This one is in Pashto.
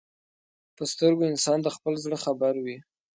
په سترګو انسان د خپل زړه خبر وي